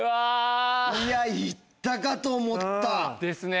いや行ったかと思った。ですね。